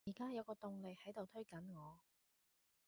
而家有個動力喺度推緊我